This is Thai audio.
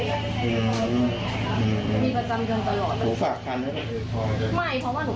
ใช่แล้วหนูรู้สึกปวดท้องมาก